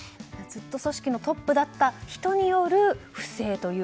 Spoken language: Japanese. ずっと組織のトップだった人による不正だったと。